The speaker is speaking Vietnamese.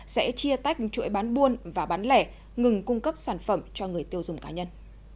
sẽ chia tách chuỗi bán buôn và bán lẻ ngừng cung cấp sản phẩm cho người tiêu dùng cá nhân